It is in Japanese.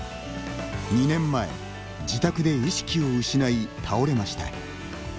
２年前、自宅で意識を失い倒れました。